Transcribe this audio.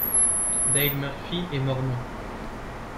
Dale Murphy est Mormon.